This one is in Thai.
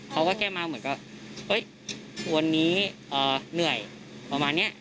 เขาก็แค่มาเหมือนกับวันนี้เหนื่อยประมาณนี้